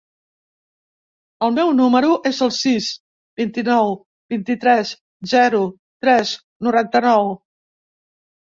El meu número es el sis, vint-i-nou, vint-i-tres, zero, tres, noranta-nou.